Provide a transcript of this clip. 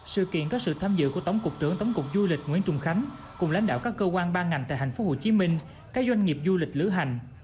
sự kiện có sự tham dự của tổng cục trưởng tổng cục du lịch nguyễn trung khánh cùng lãnh đạo các cơ quan ban ngành tại hành phố hồ chí minh các doanh nghiệp du lịch lữ hành